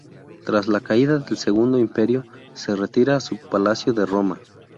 Tras la caída del Segundo Imperio, se retira a su palacio de Roma.